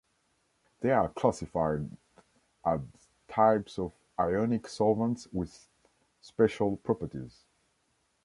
They are classified as types of ionic solvents with special properties.